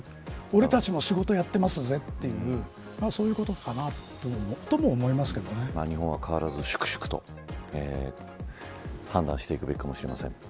俺たちも仕事やってますぜというそういうことかなとも日本は変わらず粛々と判断していくべきかもしれません。